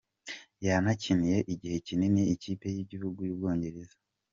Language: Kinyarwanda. Yanakiniye igihe kinini Ikipe y’Igihugu y’u Bwongereza.